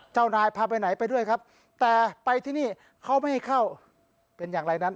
เจ้านายพาไปไหนไปด้วยครับแต่ไปที่นี่เขาไม่ให้เข้าเป็นอย่างไรนั้น